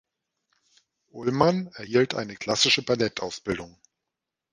Ullmann erhielt eine klassische Ballettausbildung.